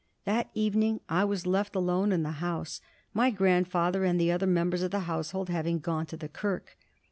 That evening I was left alone in the house, my grandfather and the other members of the household having gone to the kirk.